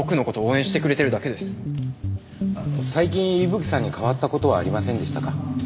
最近伊吹さんに変わった事はありませんでしたか？